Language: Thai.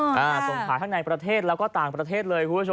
ส่งผ่านทั้งในประเทศแล้วก็ต่างประเทศเลย